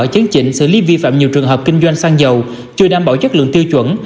chấn chỉnh xử lý vi phạm nhiều trường hợp kinh doanh xăng dầu chưa đảm bảo chất lượng tiêu chuẩn